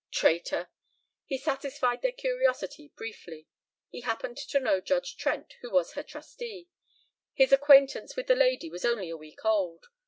Traitor! He satisfied their curiosity briefly. He happened to know Judge Trent, who was her trustee. His acquaintance with the lady was only a week old.